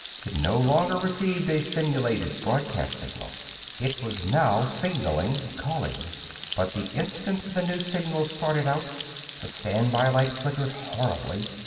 It no longer received a simulated broadcast signal. It was now signalling calling. But the instant the new signal started out, the standby light flickered horribly.